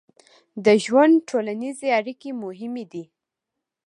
د ژوند ټولنیزې اړیکې مهمې دي.